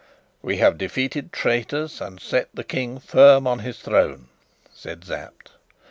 "We have defeated traitors and set the King firm on his throne," said Sapt.